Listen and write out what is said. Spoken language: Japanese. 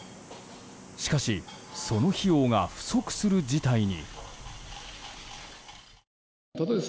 しかし、その費用が不足する事態に。